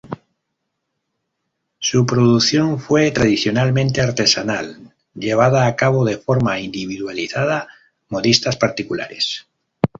Su producción fue tradicionalmente artesanal, llevada a cabo de forma individualizada modistas particulares.